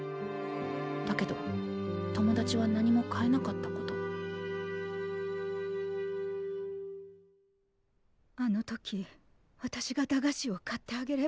だけど友達は何も買えなかったことあの時私が駄菓子を買ってあげればよかったの。